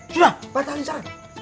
sudah batalin sekarang